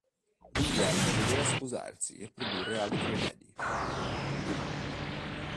Guglielmo doveva sposarsi e produrre altri eredi.